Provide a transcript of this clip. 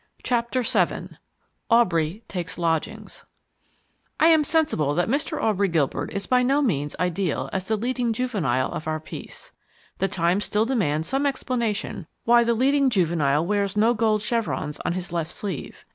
Chapter VII Aubrey Takes Lodgings I am sensible that Mr. Aubrey Gilbert is by no means ideal as the leading juvenile of our piece. The time still demands some explanation why the leading juvenile wears no gold chevrons on his left sleeve.